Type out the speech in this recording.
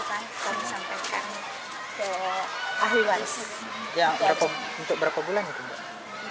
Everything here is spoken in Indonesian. kan sampai kan ke ahli waris yang berapa untuk berapa bulan untuk yang